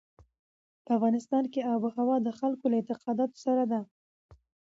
په افغانستان کې آب وهوا د خلکو له اعتقاداتو سره ده.